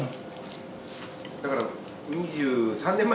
だから。